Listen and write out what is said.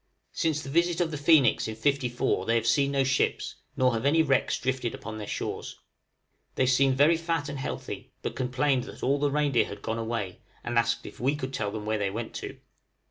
Since the visit of the 'Phœnix' in '54 they have seen no ships, nor have any wrecks drifted upon their shores. They seemed very fat and healthy, but complained that all the reindeer had gone away, and asked if we could tell where they went to?